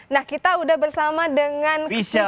nah kita sudah bersama dengan